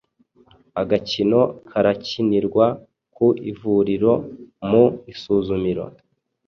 Agakino karakinirwa ku ivuriro, mu isuzumiro.